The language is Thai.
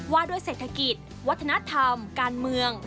ว่าด้วยเศรษฐกิจวัฒนธรรมการเมือง